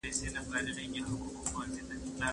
ایا شته وسایل په کار اچول سوي دي؟